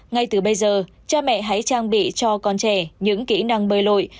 ngay từ bây giờ cha mẹ hãy trang bị cho con trẻ những kỹ năng bơi lội